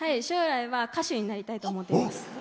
将来は歌手になりたいと思っています。